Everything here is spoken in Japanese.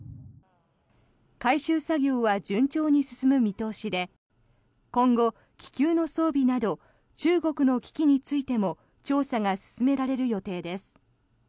回収作業は順調に進む見通しで今後、気球の装備など中国の機器についても調査が進められる予定です。